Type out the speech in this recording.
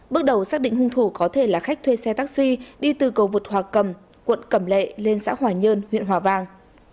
bước đầu xác định hung thủ có thể là khách thuê xe taxi đi từ cầu vụt hòa cầm quận cầm lệ lên xã hòa nhơn huyện hòa vàng